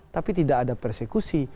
tapi tidak ada persekusi